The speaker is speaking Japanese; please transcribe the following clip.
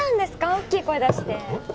大きい声出してうん？